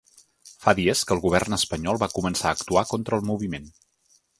Fa dies que el govern espanyol va començar a actuar contra el moviment.